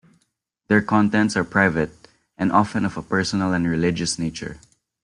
Their contents are private, and often of a personal and religious nature.